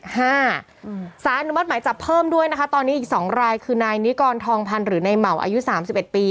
สาธารณบัตรหมายจับเพิ่มด้วยนะคะตอนนี้อีก๒รายคือนายนิกรทองพันธุ์หรือในเหมาอายุ๓๑ปี